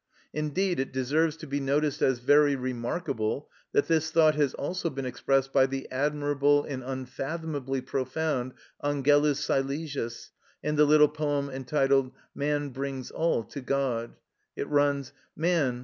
Indeed it deserves to be noticed as very remarkable, that this thought has also been expressed by the admirable and unfathomably profound Angelus Silesius, in the little poem entitled, "Man brings all to God;" it runs, "Man!